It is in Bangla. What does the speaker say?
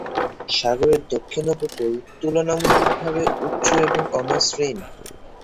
সাগরের দক্ষিণ উপকূল তুলনামূলকভাবে উচ্চ এবং অমসৃণ।